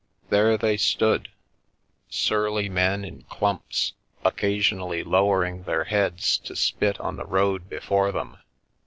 There they stood, surly men in clumps, occasionally lowering their heads to spit on the road before them."